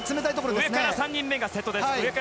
上から３人目が瀬戸です。